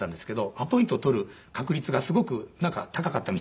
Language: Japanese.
アポイントを取る確率がすごくなんか高かったみたいで。